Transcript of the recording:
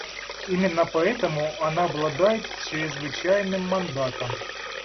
Именно поэтому она обладает чрезвычайным мандатом.